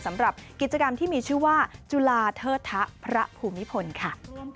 สำหรับกิจกรรมที่มีชื่อว่าจุลาเทิดทะพระภูมิพลค่ะ